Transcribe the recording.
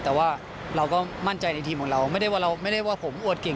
แต่ว่าเราก็มั่นใจในทีมของเราไม่ได้ว่าผมอวดเก่ง